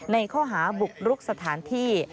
ในข้อหาบุกรุกสถานที่